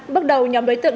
bước đầu nhóm đối tượng